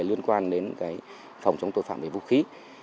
liên quan đến phòng chống tội phạm về vũ khí